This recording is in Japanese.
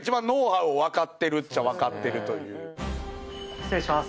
失礼します。